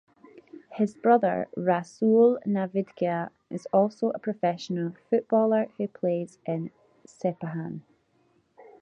His brother, Rasoul Navidkia is also a professional footballer who plays in Sepahan.